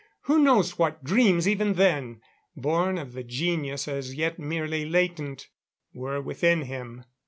Who knows what dreams even then born of the genius as yet merely latent were within him?